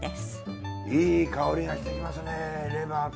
いい香りがしてきますねレバーと。